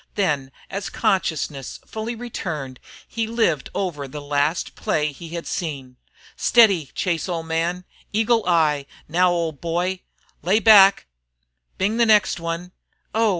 Then, as consciousness fully returned, he lived over the last play he had seen. "Steady Chase, ole man eagle eye, now ole boy lay back an' bing the next one Oh h!